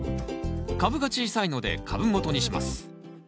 株が小さいので株元にします。